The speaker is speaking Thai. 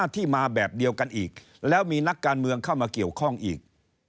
ที่มาแบบเดียวกันอีกแล้วมีนักการเมืองเข้ามาเกี่ยวข้องอีก